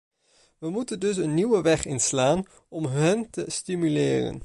We moeten dus een nieuwe weg inslaan om hen te stimuleren.